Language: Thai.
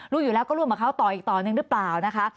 รู้อยู่แล้วก็ร่วมกับเขาต่ออีกต่อหนึ่งหรือเปล่านะคะ